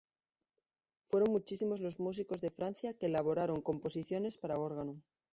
Fueron muchísimos los músicos de Francia que elaboraron composiciones para órgano.